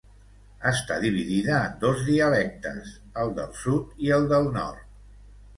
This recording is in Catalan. Està dividida en dos dialectes: el del sud i el del nord.